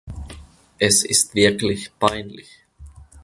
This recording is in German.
Es ist wirklich peinlich.